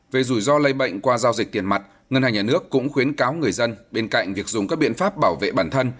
về rủi ro lây bệnh qua giao dịch tiền mặt ngân hàng nhà nước cũng khuyến cáo người dân bên cạnh việc dùng các biện pháp bảo vệ bản thân